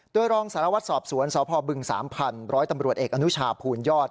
โดยรองสารวัตรสอบสวนสพบึง๓ร้อยตำรวจเอกอนุชาภูลยอด